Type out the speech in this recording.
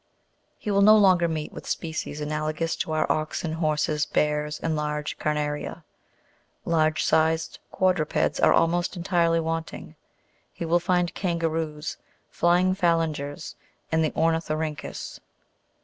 He wi4l no longer meet with species analogous to our oxen, horses, bears, and large carna'ria ; large sized quadrupeds are almost entirely wanting; he will find kangaroos, flying phalangers, and the ornithoryn'chus.